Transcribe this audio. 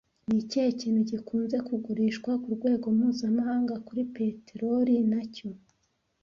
Ni ikihe kintu gikunze kugurishwa ku rwego mpuzamahanga kuri peteroli nacyo